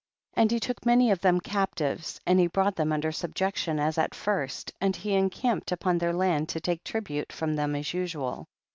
5. And he took many of them cap tives and he brought them under sub jection as at first, and he encamped upon their land to take tribute from them as usual.